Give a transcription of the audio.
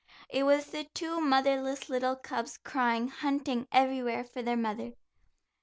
It was the two motherless little cubs crying, hunting everywhere for their mother.